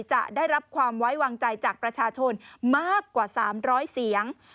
จะได้รับความไว้วางใจจากประชาชนมากกว่า๓๐๐เสียง